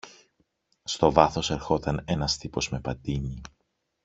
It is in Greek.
Στο βάθος ερχόταν ένας τύπος με πατίνι